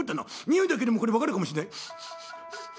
においだけでもこれ分かるかもしれない」。